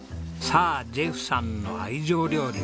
さあジェフさんの愛情料理